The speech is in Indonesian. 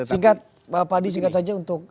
singkat pak adi singkat saja untuk